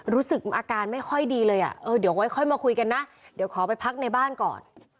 รู้สึกอาการไม่ค่อยดีเลยอ่ะเออเดี๋ยวค่อยมาคุยกันนะเดี๋ยวขอไปพักในบ้านก่อน